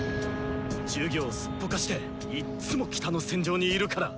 授業すっぽかしていっつも北の戦場にいるから。